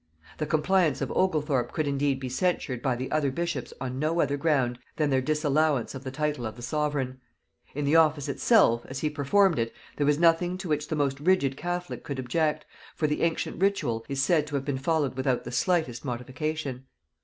The compliance of Ogelthorp could indeed be censured by the other bishops on no other ground than their disallowance of the title of the sovereign; in the office itself, as he performed it, there was nothing to which the most rigid catholic could object, for the ancient ritual is said to have been followed without the slightest modification.